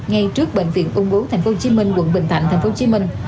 ngay trước bệnh viện ung bú tp hcm quận bình thạnh tp hcm